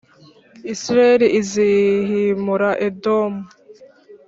israheli izihimura edomu